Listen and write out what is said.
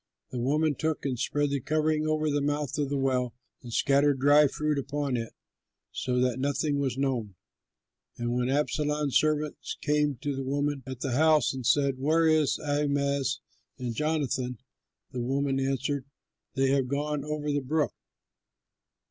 The women took and spread the covering over the mouth of the well, and scattered dried fruit upon it, so that nothing was known. And when Absalom's servants came to the woman at the house and said, "Where are Ahimaaz and Jonathan?" the woman answered, "They have gone over the brook."